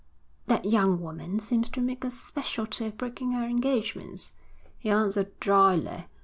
'That young woman seems to make a speciality of breaking her engagements,' he answered drily.